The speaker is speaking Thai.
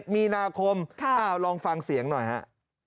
๒๑มีนาคมลองฟังเสียงหน่อยค่ะค่ะค่ะ